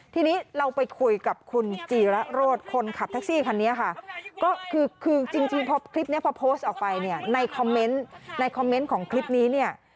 ทีนี้เราไปคุยกับคุณจีระโรธคนขับแท็กซี่คันนี้ค่ะก็คือคือจริงพอคลิปนี้พอโพสต์ออกไปเนี่ยในคอมเมนต์ในคอมเมนต์ของคลิปนี้เนี่ย